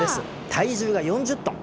体重が４０トン！